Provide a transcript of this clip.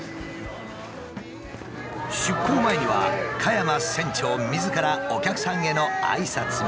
出航前には加山船長みずからお客さんへの挨拶も。